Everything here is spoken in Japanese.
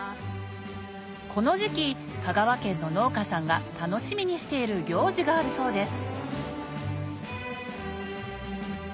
この時期香川県の農家さんが楽しみにしている行事があるそうです